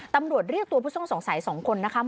ตำรวจเรียกตัวผู้ชมสงสัย๒คนนะคะมาสอบสวน